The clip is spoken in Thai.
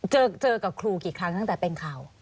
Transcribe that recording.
เจอกับครูกี่ครั้งตั้งแต่เป็นข่าว